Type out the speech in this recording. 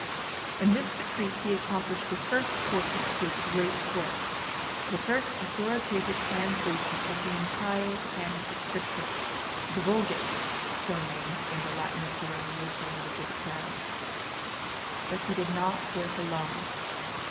In this retreat he accomplished the first portion of his great work, the first authoritative translation of the entire Canon of Scripture the Vulgate so named when the Latin of Jerome was the language of the crowd. But he did not work alone.